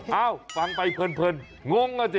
เอ้าฟังไปเพลินงงอ่ะสิ